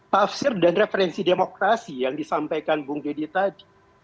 pak afsir dan referensi demokrasi yang disampaikan bung deddy